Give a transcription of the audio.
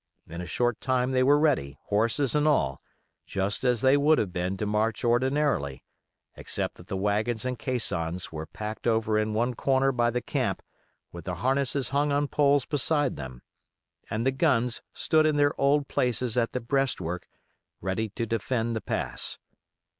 In a short time they were ready, horses and all, just as they would have been to march ordinarily, except that the wagons and caissons were packed over in one corner by the camp with the harness hung on poles beside them, and the guns stood in their old places at the breastwork ready to defend the pass.